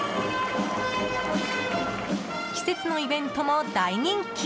季節のイベントも大人気！